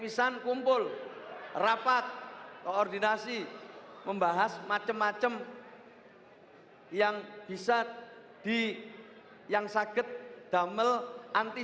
sekitar tiga bulan kumpul rapat koordinasi membahas macam macam yang bisa diantisipasi ke bentana